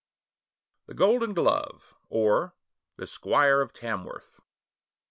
THE GOLDEN GLOVE; OR, THE SQUIRE OF TAMWORTH.